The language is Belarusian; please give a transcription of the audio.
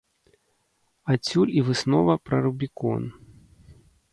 Адсюль і выснова пра рубікон.